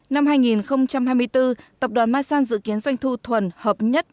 năm hai nghìn hai mươi bốn tập đoàn masan dự kiến doanh thu thuần hợp nhất